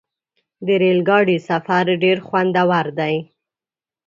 د ریل ګاډي سفر ډېر خوندور دی.